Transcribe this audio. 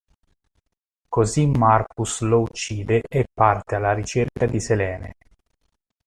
Così Marcus lo uccide e parte alla ricerca di Selene.